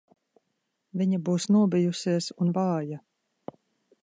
Viņa būs nobijusies un vāja.